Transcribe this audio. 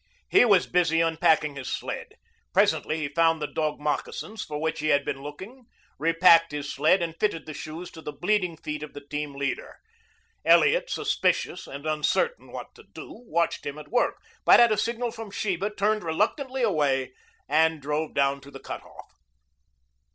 He was busy unpacking his sled. Presently he found the dog moccasins for which he had been looking, repacked his sled, and fitted the shoes to the bleeding feet of the team leader. Elliot, suspicious and uncertain what to do, watched him at work, but at a signal from Sheba turned reluctantly away and drove down to the cutoff.